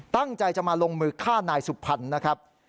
ตั้งใจจะมาลงมือฆ่านายสุพรรณนะครับ